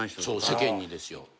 そう世間にですよ。